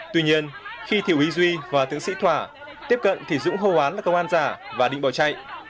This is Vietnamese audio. tuy nhiên khi thiệu úy duy và tượng sĩ thỏa tiếp cận thì dũng hô hoán vào công an xã và định bỏ chạy